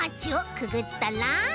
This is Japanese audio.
くぐったら？